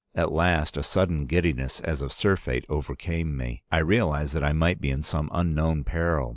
At last a sudden giddiness as of surfeit overcame me. I realized that I might be in some unknown peril.